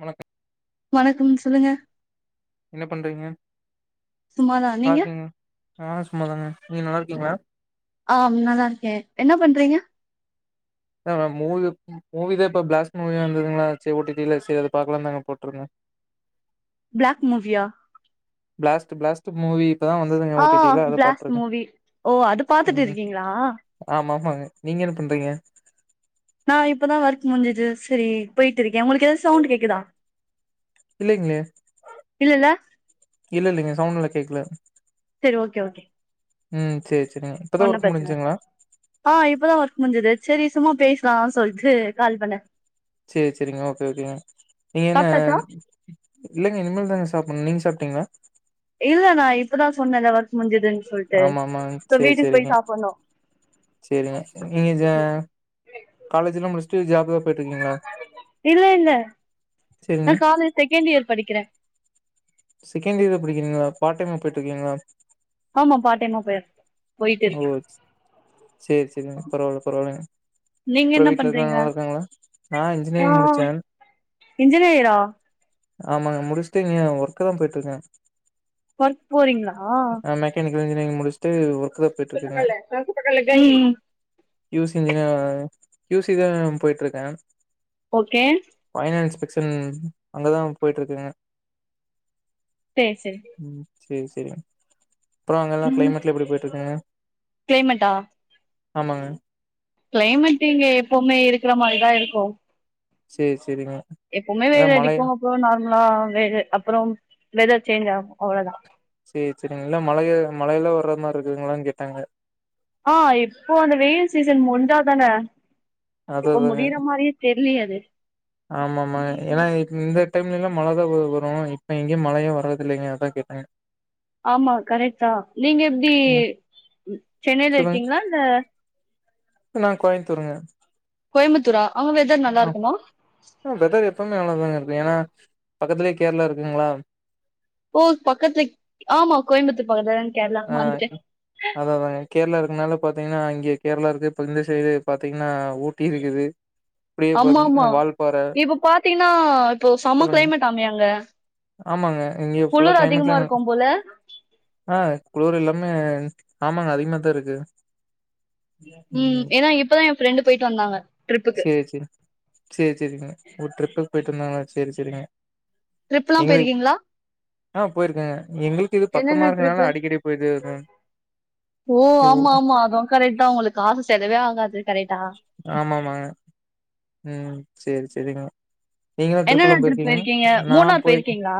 வணக்க வணக்கம் சொல்லுங்க என்ன பண்றீங்க சும்மாதா நீங்க நல்லார்க்கேங் நா சும்மாதாங்க நீங்க நல்லார்க்கீங்ளா ஆம் நல்லாருக்கே என்ன பண்றீங்க வேற மூவி மூவி தா இப்ப பிளாஸ்ட் மூவி வந்ததுங்ளா சேர் ஓ டி டில சேர் அது பாக்லான் தாங்க போட்ருக்கே ப்ளாக் மூவியா ப்ளாஸ்ட்டு ப்ளாஸ்ட் டு மூவி இப்பதா வந்ததுங்க ஓ ஆ டி டில அத பிளாஸ்ட் பாட்ருக்கே மூவி ஓ அது பாத்துட்டு ம் இருக்கீங்களா ஆமா ஆமாங்க நீங்க என்ன பண்றீங்க நா இப்பதா ஒர்க் முஞ்சது செரி பொய்ட்ருக்கே ஒங்ளுக்கு எதாது சவுண்ட் கேக்குதா இல்லைங்ளே இல்லல்ல இல்ல இல்லங்க சவுண்டெல்லா கேக்ல செரி ஓகே ஓகே ம் சேரி ஒன்னு பிரச்சன ஆ இப்பதா ஒர்க் முஞ்சது செரி சும்மா பேஷ்லான் சொல்ட்டு கால் பண்ணே சேர் சேரிங்க ஓகே ஓகே நீங்க என்ன சாப்ட்டாச்சா இல்லங்க இனிமேல் தாங்க சாப்புணு நீங்க சாப்ட்டீங்ளா இல்ல நா இப்பதா சொன்னேல ஒர்க் முஞ்சதுன் சொல்ட்டு ஆமா சோ வீட்டுக்கு போய் சாப்புன்ணு சேரிங்க செரிங் நீங்கஜ காலேஜ்லா முடிச்சிட்டு ஜாப் தா பொயிட்ருக்கீங்ளா இல்ல இல்ல நா சரிங்க காலேஜ் செகண்ட் இயர் படிக்கிறே செகண்ட் இயரு படிக்கீறிங்ளா பார்ட் டைமா பொயிட்ருக்கீங்ளா ஆமா பார்ட் டைமா ப ஓ சேர் சேரிங்க பரவால பரவாலைங்க நீங்க அப்றோ என்ன வீட்ல இருக்கங் பண்றீங்க நல்லாருக்காங்ளா நா இன்ஜினியரிங் முடிச்சே இன்ஜினயரா ஆமாங்க முடிச்சிட்டு இங்க ஒர்க் தா பொயிட்ருக்கே ஒர்க் போறிங்ளா எனக்கு இஞ்சினியரிங் முடிச்சிட்டு ஒர்க் ஈ க்யூசி இஞ்ஜினியரா க்யூசி தா பொய்ட்ருக்கே ஓகே ஃபைனாஸ் பெக்க்ஷன் அங்கதா பொயிட்யிருக்குறே சேர் செரி ம் சேரி சேரிங் அப்றோ அங்கலா கிளைமேட்லா எப்டி பொயிட்ருக்குங்க கிளைமெட்டா ஆமாங்க கிளைமேட்டு இங்க எப்போமே இருக்ற மாரிதா இருக்கு சேர் செரிங்க எப்போமே வெயில் அடிக்கு அப்றோ நார்மலா வெயிலு அப்றம் வெதர் சேஞ்ச் ஆகு அவ்ளதா சேர் செரிங்க எல்லா மலயோ மழல வர்ற மார் இருக்குங்களான் கேட்டே அங்க ஆ இப்போ அந்த வெயில் சீசன் முஞ்சா தானே அது இப்போ அதாங்க முடியிற மாரி தெர்லியது ஆமா ஆமாங்க ஏனா இந்த டைம்லலா மழ தா வ வரும் இப்ப எங்யு மழயே வர்றது இல்லங்க அதா கேட்டே ஆமா கரெக்ட் தா நீங்க எப்டி ம் சென்னையில சொல்லுங்க இருக்கிங்ளா இல்ல நா கோயம்புத்தூர்ங்க கோயம்புத்தூரா அங்க வெதர் நல்லா இருக்குமா ஆ வெதர் எப்பவுமே நல்லாதாங்க இருக்கு ஏன்னா பக்கத்துலே கேரளா இருக்குங்ளா ஓ பக்கத்துல ஆமா கோயம்புத்தூர் பக்கத்ல ஆ அத தாங்க கேரளா இருக்குனால பாத்தீங்கன்னா இங்கே கேரளா இருக்கு இப்ப இந்த சைடு பாத்தீங்கன்னா ஊட் டி இருக்குது இப்டியே அம்மாம்மா பாத்தீங்கன்னா வால்பாற இப்ப பாத்தீங்கன்னா இப்போ செம்ம சொல்லுங்க கிளைமேட்டாமே அங்க ஆமாங்க இங்க ஃபுல்லா குளிர் அதிகமா கிளைமேட்லா இருக்கும் போல ஆ குளுர் எல்லாமே ஆமாங்க அதிகமா தா இருக்கு ம் ஏன்னா இப்பதா எ ஃப்ரெண்டு போய்ட்டு வந்தாங்க ட்ரிப்புக்கு சேர் சேர் சேர் சேரிங்க ஓ ட்ரிப்புக்கு போய்ட்டு வந்தாங்களா சேர் சேரிங்க ட்ரிப்லா எங்களுக்கு போயிருக்கீங்ளா ஆ போய்ருக்கங்க எங்களுக்கு இது பக்கமா என்னென்ன ட்ரிப்பு இருக்கனால அடிக்கடி போய்ட்டு வருவ ஓ ஆமா ஆமா அதுவு கரெக்ட்டாதா உங்களுக்கு காசு செலவே ஆகாது கரெக்டா ஆமாமாங்க ம் சேர் சேரிங்க நீங்கலா ட்ரிப்லா போய்ருப்பிங்க நா போயிருக்கே கீங்களா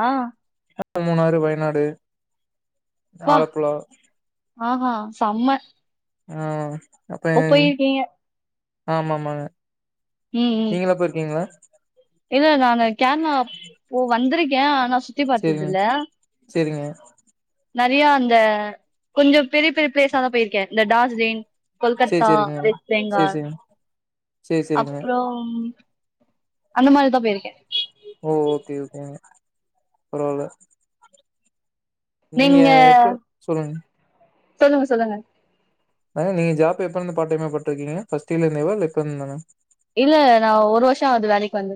மூணாறு வயநாடு வா ஆலப்புழா ஆஹா செம்ம ஆ ஓ அதய்ங் போயிருக்கீங்க ஆமாமாங்க ம் ம் இல்ல நானு கேரளா போ வந்திருக்கே ஆனா சுத்தி பார்த்தது சேரிங்க சேரிங்க நறைய அந்த கொஞ்சம் பெரிய பெரிய பிளேஸா தா போயிருக்கே இந்த டார்ஜிலிங் சேரி கொல்கத்தா சேரிங்க வெஸ்ட் சேரி பெங்கால் சேரிங்க சேரி சேரிங்க அப்றோம் அந்த மாரிதா போயிருக்கே ஓ ஓகே ஓகேங்க பரவால நீங்க எப்ப சொல்லுங்க சொல்லுங்க சொல்லுங்க மேடம் நீங்க ஜாப் எப்பர்ந்து பார்ட் டைம்மா பட்ருக்கீங்க ஃபர்ஸ்ட் இயர்ல இருந்தேவா இல்ல இப்ப இருந்தான இல்ல நா ஒரு வருஷோ ஆவுது வேலைக்கு வந்து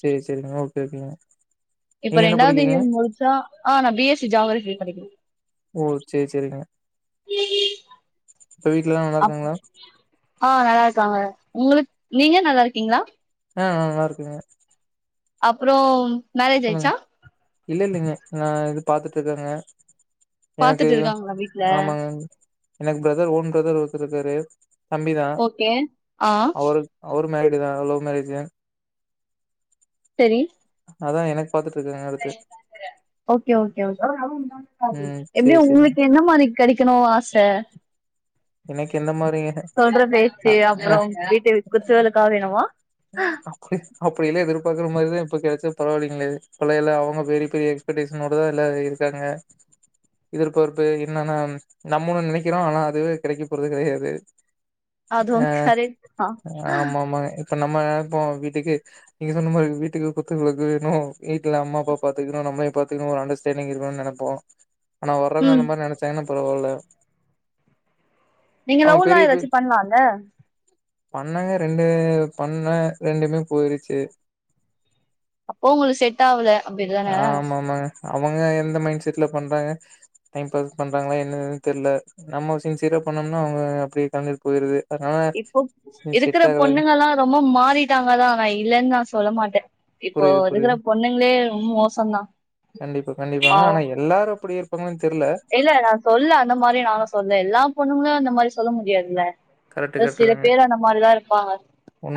சரி சரிங்க ஓகே ஓகேங்க இப்ப நீங்க என்ன ரெண்டாவது படிக்கிறீங்க இயர் முடிச்சா ஆ நா பி எஸ் சி ஜாகர்ஃபீ படிக்கிற ஓ சரி சரிங்க இப்ப வீட்லல்லா நல்லா அப் இருக்காங்களா ஆ நல்லா இருக்காங்க உங்களுக் நீங்க நல்லா இருக்கீங்களா ஆ நா நல்லா இருக்கேங்க அப்றோ மேரேஜ் சொல்லுங்க ஆய்ர்ச்சா இல்ல இல்லைங்க நா இது பாத்துட்டு இருக்காங்க எனக்கு பாத்துட்டு இருக்காங்களா வீட்ல ஆமாங்க எனக்கு பிரதர் ஓன் பிரதர் ஒருத்தருக்காரு தம்பி தா ஓகே ஆ அவரு அவரு மேரிடு தா லவ் மேரேஜு சரி அதா எனக்கு பாத்துட்டு இருக்காங்க அடுத்து ஓகே ஓகே ஓகே ம் எப்டி சேரி சேரிங்க உங்களுக்கு என்ன மாரி கடைக்கணு ஆச எனக்கு எந்த மாரிங்க சொல்ற அ பேச்சு அ அப்புறம் வீட்டு குத்து வெளக்கா வேணுமா அப்படிய எல்லாம் எதிர்பார்க்கற மாதிரிதான் இப்ப கிடைச்சா பரவாயில்லைங்களே பழையெல்லா அவங்க பெரிய பெரிய எக்ஸ்படேசனோடு தான் எல்லா இருக்காங்க எதிர்பார்ப்பு என்னன்னா நம்ம ஒண்ணு நினைக்கிறோம் ஆனா அதுவே கிடைக்கப் போறது கிடையாது அ அதுவும் கரெக்ட் தான் ஆமா ஆமாங்க இப்ப நம்ம போவோம் வீட்டுக்கு நீங்க சொன்ன மாதிரி வீட்டுக்கு குத்து விளக்கு வேணும் வீட்டுல அம்மா அப்பா பாத்துக்கணும் நம்மளயும் பாத்துக்கணும் ஒரு அண்டர்ஸ்டாண்டிங் இருகணும்னு நினைப்போம் ஆனா வர்றவங்க ம் அந்த மாதிரி நினைச்சாங்கன்னா பரவால நீங்க லவ்வெலாம் ஏதாச்சும் பண்லாம்ல பண்ணேங்க ரெண்டு பண்ணெ ரெண்டுமே போயிருச்சு அப்போ உங்களுக்கு செட் ஆகல அப்படிதானே ஆமா ஆமாங்க அவங்க எந்த மைண்ட் செட்ல பண்றாங்க டைம் பாஸ் பண்றாங்களா என்னதுன்னு தெர்ல நம்ம சின்சியரா பண்ணோம்னா அவங்க அப்படியே கழன்ட்டு போயிடுது இப்போ இருக்கிற பொண்ணுங்க எல்லாம் ரொம்ப மாறிட்டாங்க தான் நான் இல்லேன்னு நான் சொல்ல மாட்டேன் இப்போ புரியுது இருக்கிற புரியுது பொண்ணுங்களே ரொம்ப மோசம்தான் ஆ எல்லாரும் அப்படி இருப்பாங்களான்னு தெரியல இல்ல நான் சொல்லுல அந்த மாதிரி நானும் சொல்லுல எல்லா பொண்ணுங்களயும் அந்த மாதிரி சொல்ல முடியாதுல்ல கரெக்ட் கரெக்ட் சில தாங்க பேர் அந்த மாதிரிதான் இருப்பாங்க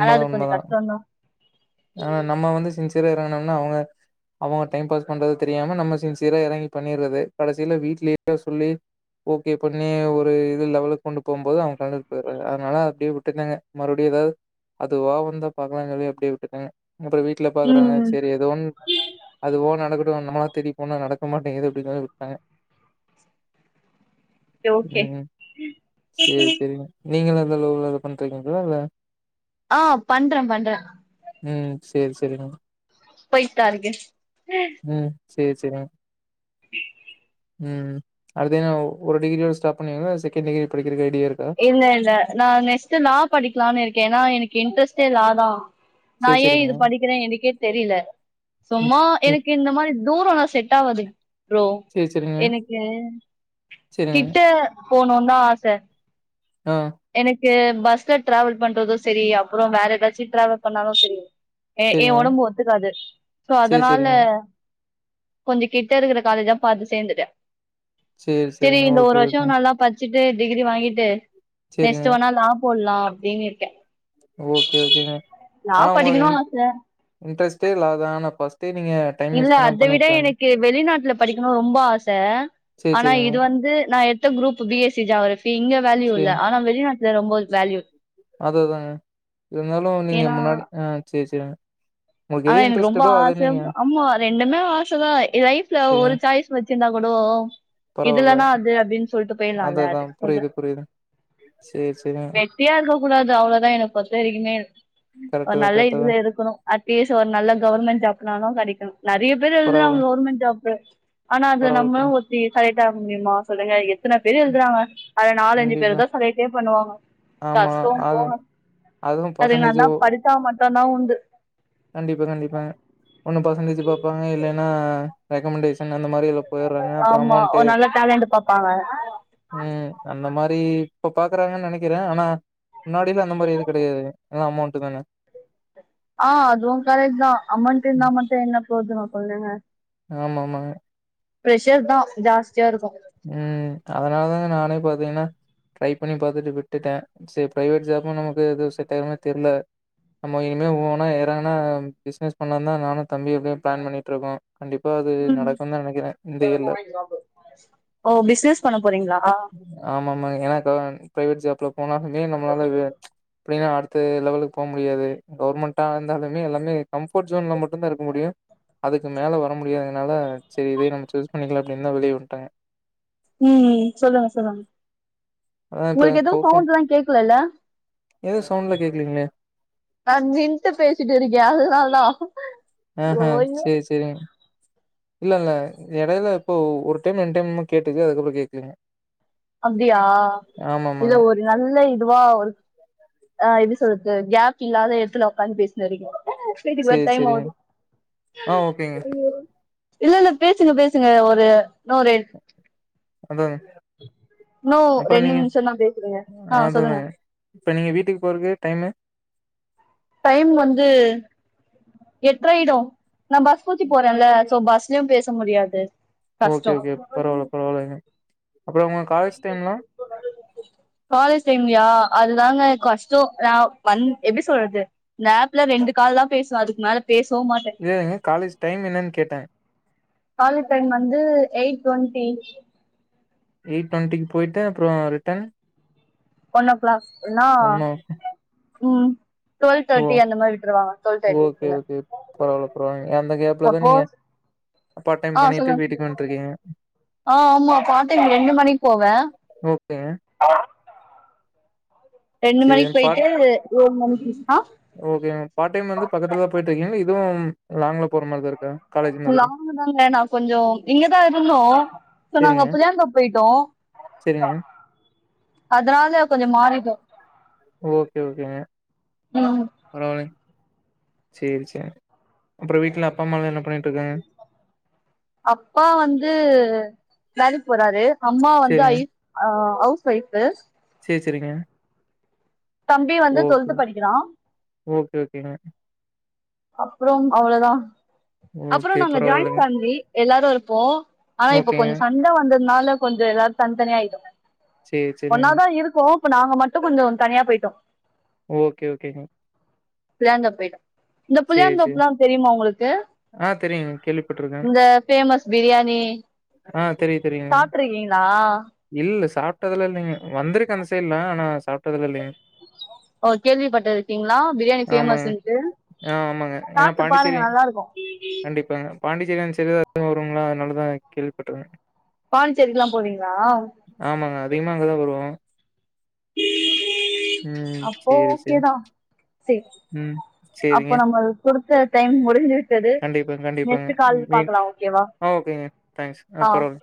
ஆனா அது கொஞ்சம் உண்மதா கஷ்டம் தான் ஆனா நம்ம வந்து சின்சியரா இருங்கனோம்னா அவங்க அவங்க டைம் பாஸ் பண்றத தெரியாம நம்ம சின்சியரா இறங்கி பண்ணிறது கடைசியில வீட்ல கீட்ல சொல்லி ஓகே பண்ணி ஒரு இது லெவலுக்கு கொண்டு போகும்போது அவங்க கழண்ட்டு போயிடுறாங்க அதனால அப்படியே விட்டுட்டேங்க மறுபடியும் ஏதாவது அதுவா வந்தா பாக்கலாம்னு அப்டியே விட்டுட்டேன் அப்பறம் வீட்டுல ம் பாக்குறாங்க ம் செரி அது உன் அதுவோ நடக்கட்டும் நம்மளா தேடிப்போனா நடக்க மாட்டேங்குது அப்டின்னு சொல்லி விட்டுட்டேங்க ஓகே நீங்களெ எந்த அளவு லவ் பண்ணிட்டிருகீங்களா இல்ல இ ஆ பண்றேன் பண்றேன் ம் சேரி சேரிங்க போய்ட்டா இருங்க ம் சேரி சேரிங்க ம் அடுத்து என்ன ஒரு டிகிரியோட ஸ்டாப் பண்ணுவீங்களா செகண்ட் டிகிரி படிக்கிறதுக்கு ஐடியா இருக்கா இல்ல இல்ல நான் நெக்ஸ்ட் லா படிக்கலான்னு இருக்கேன் ஏன்னா எனக்கு இன்ட்ரஸ்டே லா தான் சேரி நான ஏன் சேரிங்க இது படிக்கிறேன் எனக்கே தெரியல ம் சும்மா ம் எனக்கு இந்த மாரி தூரமெல்லாம் செட் ஆகாது புரோ சேரி சேரிங்க எனக்கு சேரிங்க கிட்ட போகணுன்னு தான் ஆச ஆ எனக்கு பஸ்ல டிராவல் பண்றதும் செரிஅப்புறம் வேற ஏதாச்சும் டிராவல் பண்ணாலும் செரி அ என் சேரிங்க உடம்பு ஒத்துக்காது சோ சேரி அதனால சேரிங்க கொஞ்சம் கிட்ட இருக்கிற காலேஜா பாத்து சேர்ந்துக்க சேரி சேரிங்க இந்த ஒரு ஓகே வருஷம் ஓகேங்க நல்லா படிச்சுட்டு டிகிரி வாங்கிட்டு சேரிங்க நெக்ஸ்ட் வேனா லா போடலாம் அப்பிடின்னு இருக்கேன் ஓகே ஓகேங்க லா ஆனால் உங்களுக்கு படிக்கணு இ் ஆச இன்ட்ரெஸ்ட்டே லா தாங்க ஆனா ஃபஸ்ட்டே நீங்க டைம் இல்ல வேஸ்ட் பண்ணாம அத விட பண்ணிருக்கலாங்க எனக்கு வெளிநாட்டுல படிக்கணும் ரொம்ப ஆச சேரி ஆனா சேரிங்க இது வந்து நான் எடுத்த group B S C geography இங்க வேல்யூ இல்ல சேரி ஆனா வெளிநாட்டுல ரொம்ப வேல்யூ அத அதாங்க இருந்தாலும் நீங்க ஏன்னா முன்னாடி ஆ சேரி சேரிங்க உங்களுக்கு ஆனா எது எனக்கு ரொம்ப இன்ட்ரெஸ்ட்டடோ அத ஆச நீங்க ஆம்மா ரெண்டுமே ஆச தான் லைஃப்ல சேரிங்க ஒரு சாய்ஸ் வச்சிருந்தா கூடோ இது பரவால்ல இல்லன்னா அது அப்டின் சொல்ட்டு அது போயுற்லால்ல அதா அதுக் சொன்ன புரியுது புரியுது சேரி சேரிங்க ரெட் ப்ரியா இருக்க கூடாது அவ்ளோதா என்ன பொறுத்த வரைக்குமே ஒரு கரெக்ட்டு தா நல்ல கரெக்ட்டு தா இதுல இருக்கணு பேச ஒரு நல்ல கவர்மெண்டட் ஜாப்னாலு கெடைக்கணு நெறைய பேரு எழுதுறாங்க பரவால்ல கவர்மெண்ட் ஜாப்பு ஆனா அதுல பரவால்ல நம்மளு பரவா ஒத்தி செலக்ட் ஆக முடியுமா சொல்லுங்க எத்தன பேரு எழுதுறாங்க அதுல நாலஞ்சு கண்டிப்பா பேரு தா செலக்டே பண்ணுவாங்க ஆமா கஷ்டோ அது போங்க அதுவும் அது பர்சன்டேஜ் நல்லா படிச்சா மட்டுந்தா உண்டு கண்டிப்பா கண்டிப்பா ஒன்னு பர்சன்டேஜ் பாப்பாங்க இல்லன்னா ரெக்கமெண்டேஷன் அந்த மாரி எதோ போயிறாங்க அப்றோ ஆமா அமௌண்ட்டு ஒரு நல்ல டேலண்ட் பாப்பாங்க ம் அந்த மாரி இப்ப பாக்குறாங்கன் நெனைக்கிறே ஆனா முன்னாடிலா அந்த மாரி எது கெடயாது அ அமௌண்டு தான ஆ அதுவு கரெக்ட் தா அமௌன்ட் இருந்தா மட்டு என்ன ப்ரோஜனோ சொல்லுங்க ஆமாமா பிரஷர் தா ஜாஸ்தியா இருக்கு ம் அதனாலதா நானே பாத்தே ஏனா ட்ரை பண்ணி பாத்துட்டு விட்டுட்டே செரி பிரைவேட் ஜாபு நமக்கு எது செட் ஆகுற மாரி தெர்ல ஆமா இனிமே ஓனா ஏறங்குனா பிஸ்னஸ் பண்ணன் தா நானு தம்பி எப்டியோ ப்ளன் பண்ணிட்ருக்கோ கண்டிப்பா அது ம் நடக்குந்தா நெனைக்கிறே இந்த இயர்ல ஓ பிஸ்னஸ் பண்ண போறீங்ளா ஆமாமா ஏனாக்கா பிரைவேட் ஜாப்ல போனாலுமே நம்மளால வ அப்டினா அடுத்த லெவலுக்கு போ முடியாது கவர்மெண்ட்டா இருந்தாலுமே எல்லாமே கம்ஃபோர்ட் ஜோன்ல மட்டுந்தா இருக்க முடியு அதுக்கு மேல வர முடியாதுனால செரி இதே நம்ம சூஸ் பண்ணிக்லா அப்டின் தா வெளியே வந்ட்டே ம் சொல்லுங்க சொல்லுங்க அதான் இப்ப உங்களுக் எதுவு கௌசம் சவுண்ட்லா கேக்கலல்ல ஏதோ சவுண்ட்ல கேக்கலீங்களே நா நின்ட்டு பேசிட்டு இருக்கே அதுனால் தா ஆஹா ஐயோ செரி செரிங்க இல்ல இல்ல எடையில இப்போ ஒரு டைம் ரெண்டு டைம் கேட்டுது அதுக்கப்றோ கேக்கலிங்க அப்டியா இது ஆமாங்க ஒரு நல்ல இதுவா ஒரு ஆ எப்டி சொல்றது கேப் இல்லாத எடத்துல உக்காந்து பேசினுறீங்க வீட்டுக்கு ஒரு சரி டைம் சரிங்க வரு ஆ ஓகேங்க அய்யோ இல்ல இல்ல பேசுங்க பேசுங்க ஒரு இன்னொரு அதாங்க இன்னு அப்றோ ரெண்டு நீங்க நிமிஷந்தா பேசுறீங்க ஆ அதா சொல்லுங்க தாங்க இப்ப நீங்க வீட்டுக்கு போறக்கு டைமு டைம் வந்து எட்ற ஆய்டு நா பஸ் புச்சி போறேன்ல சோ பஸ்லயு பேச முடியாது கஷ்டோ ஓகே ஓகே பரவால்ல பரவால்லங்க அப்றோ உங்க காலேஜ் டைம்லாம் காலேஜ் டைம்லயா அதுதாங்க கஷ் டோ நா வந் எப்டி சொல்றது இந்த ஆஃப்ல ரெண்டு கால் தா பேசுவே அதுக்கு மேல பேசவு மாட்டே இல்லங்க காலேஜ் டைம் என்னன் கேட்டே காலேஜ் டைம் வந்து எயிட் டுவெண்ட்டி எயிட் டு்வெண்டிக்கு போயிட்டு அப்றோ ரிட்டன் ஒன் ஓ கிளாக்ன்னா ஒன்னா ம் டுவெல் ஓ தேர்ட்டி அந்த மாரி விட்ருவாங்க டுவெல் ஓகே தேர்டிக்குள்ள ஓகே பரவாயில்ல சப்போஸ் பாட் டைம் ஆ பண்ணிட்டு சொல்லுங்க வீட்டுக்கு வந்ட்டுருக்கீங்க ஆ ஆமா பார்டைம் ரெண்டு மணிக்கு போவே ஓகேங்க ரெண்டு மணிக்கி சரி போயிட்டு ஒரு மணிக்கி ஆ ஓகே மேம் பார்ட் டைம் வந்து பக்கத்துல தா போயிட்டு இருக்கீங்ளா இதுவு லாங்குல போற மாரிதா இருக்கா காலேஜ் மாதிரி லாங்கு தாங்க நா கொஞ்சோ இங்க தா இருந்தோ இப்ப நாங்க புல்லா [unintelligible] போயிட்டோ செரிங்க அதுனால ஓகே ஓகேங்க ம் பரவால்லங் சேரி செரி அப்றோ வீட்ல அப்பா அம்மாலா என்ன பண்ணிட்ருக்காங்க அப்பா வந்து வேலைக்கு போறாரு அம்மா வந்து சரிங்க ஐஸ் ஆ ஹவுஸ் ஒய்ஃபு சேரி செரிங்க தம்பி வந்து டுவல்த்து படிக்கிறா ஓகே ஓகேங்க அப்றோ அவ்ளதா அப்புறே ஓகே நாங்க ஜாயின்ட் பரவாயில்லைங்க ஃபேமிலி எல்லாரு இருப்போ ஆனா இப்ப ஓகேங்க கொஞ் சண் ட வந்ததுனால கொஞ்சோ எல்லாரு தனித்தனியா ஆயிட்டோ சேரி ஒன்னா சேரிங்க தா இருக்கோ இப்ப நாங்க மட்டு கொஞ்சோ தனியா போயிட்டோ ஓகே ஓகே புளியாந்தோப் போயிட்டோ இந்த சேரி சேரி புளியாந்தோப்லா தெரியுமா உங்குளுக்கு ஆ தெரியுங் அங்க ஃபேமஸ் பிரியாணி ஆ தெரியு தெரியுங்க சாப்ட்ருக்கீங்களா இல்ல சாப்ட்டதுலா இல்லைங்க வந்துருக்க அந்த சைட்லா ஆனா சாப்ட்டதுலா இல்லைங்க ஓ கேள்விப்பட்டு இருக்கீங்களா பிரியாணி ஆமாங்க ஃபேமஸ்ன்ட்டு ஆ ஆமாங்க சாப்ட்டு பாருங்க நல்லாருக்கு இப்ப பாண்டிசேரி தா அந்த சைடு [inaudible] வருவாங்லா அதுனால தா கேள்விப்பட்ருக்கங்க பாண்டிசேரிலா போவீங்ளா ஆமாங்க அதிகமா அங்கதா வருவோ உம் [unintelligible] ம் அப்போ சேரி ஓகே சேரி தா செரி ம் அப்ப சேரிங்க நம்ம குடுத்த டைம் முடிஞ்சி சது கண்டிப்பா கண்டிப்பாங்க நெக்ஸ்டு கால் மீன் பாக்லா ஓகே வா ஆ ஓகேங்க தேங்க்ஸ் ஆ பரவால்ல